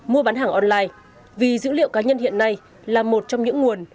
mua bán hàng online vì dữ liệu cá nhân hiện nay là một trong những nguồn